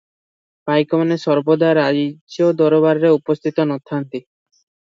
ପାଇକମାନେ ସର୍ବଦା ରାଜଦରବାରରେ ଉପସ୍ଥିତ ନ ଥାନ୍ତି ।